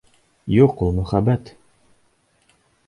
Юҡ ул мөхәббәт!